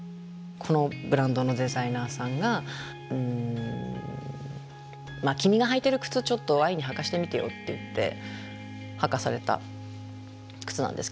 このブランドのデザイナーさんが「君が履いてる靴ちょっと愛に履かせてみてよ」って言って履かされた靴なんですけど。